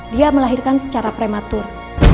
dia melahirkan secara prematur